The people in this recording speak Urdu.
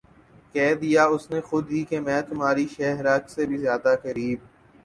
کہہ دیا اس نے خود ہی کہ میں تمھاری شہہ رگ سے بھی زیادہ قریب